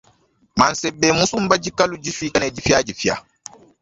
Mansebe musumba dikalu difike ne dipiadipia.